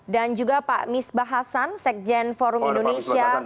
dan juga pak misbah hasan sekjen forum indonesia